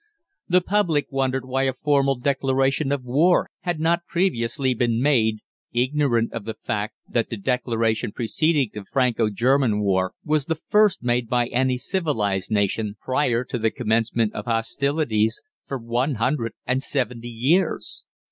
The public wondered why a formal declaration of war had not previously been made, ignorant of the fact that the declaration preceding the Franco German War was the first made by any civilised nation prior to the commencement of hostilities for one hundred and seventy years.